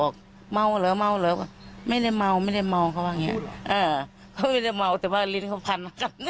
เขาไม่ได้เมาแต่ว่าลิ้นเขาพันกัน